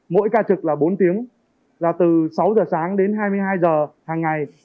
mỗi ca trực là bốn tiếng là từ sáu giờ sáng đến hai mươi hai giờ hàng ngày